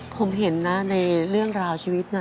ผมเห็นนะในเรื่องราวชีวิตนะ